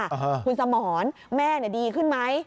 คุณสมรแม่ดีขึ้นไหม